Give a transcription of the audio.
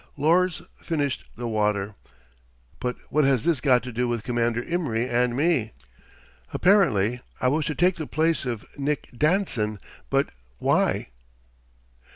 Lors finished the water. "But what has this got to do with Commander Imry and me? Apparently I was to take the place of Nick Danson, but why?"